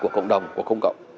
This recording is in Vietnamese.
của cộng đồng của công cộng